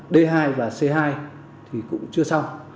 d hai và c hai thì cũng chưa xong